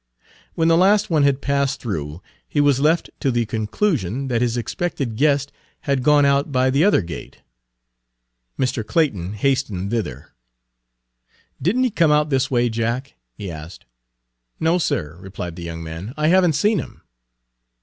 When the last one had passed through he was left to the conclusion that his expected guest had gone out by the other gate. Mr. Clayton hastened thither. "Did n't he come out this way, Jack?" he asked. "No, sir," replied the young man, "I have n't seen him."